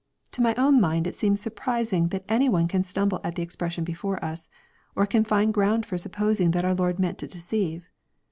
To my own mind it seem? surprising that any one can stumble at the expression before us, or cm find ground for supposing that our Lord meant to deceive.